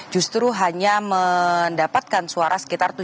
justru hanya mendapatkan suara yang lebih tinggi